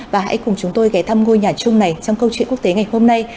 và hãy cùng chúng tôi ghé thăm ngôi nhà chung này trong câu chuyện quốc tế ngày hôm nay